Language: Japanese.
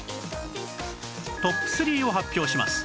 ＴＯＰ３ を発表します